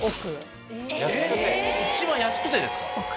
一番安くてですか？